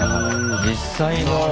実際の。